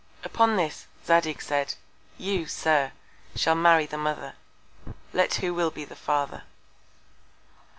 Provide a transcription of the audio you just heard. Upon this, Zadig said, you, Sir, shall marry the Mother, let who will be the Father.